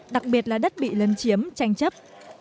đặc biệt là đất bị lân chiếm tranh chấp